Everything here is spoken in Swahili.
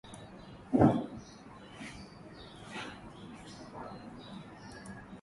mashairi ya Kiswahili uzidi kupasua anga Kundi la Weusi Wagumu Asilia pia lilirekodi